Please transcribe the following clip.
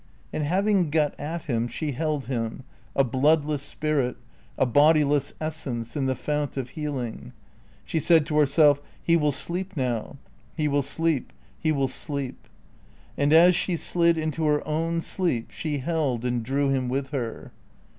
And having got at him she held him, a bloodless spirit, a bodiless essence, in the fount of healing. She said to herself, "He will sleep now. He will sleep. He will sleep." And as she slid into her own sleep she held and drew him with her.